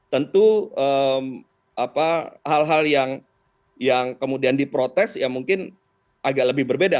tentu hal hal yang kemudian diprotes ya mungkin agak lebih berbeda